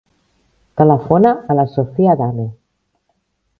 Telefona a la Sophie Adame.